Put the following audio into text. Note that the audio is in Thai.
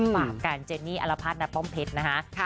ฝากการเจนี่อรพาทนัตรป้อมเพชรนะคะ